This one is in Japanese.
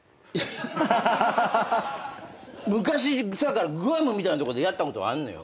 昔グアムみたいなとこでやったことがあんのよ。